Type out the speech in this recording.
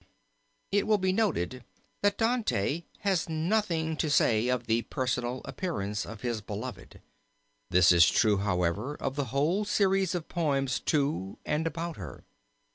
It will be noted that Dante has nothing to say of the personal appearance of his beloved. This is true, however, of the whole series of poems to and about her.